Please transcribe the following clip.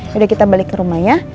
yaudah kita balik ke rumah ya